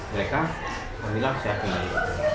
mereka alhamdulillah siapkan lagi